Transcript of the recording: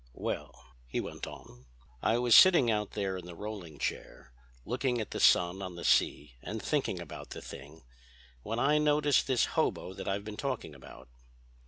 "Well," he went on, "I was sitting out there in the rolling chair, looking at the sun on the sea and thinking about the thing, when I noticed this hobo that I've been talking about.